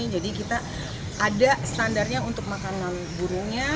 jadi kita ada standarnya untuk makanan burungnya